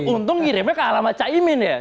untung ngirimnya ke alamat caimin ya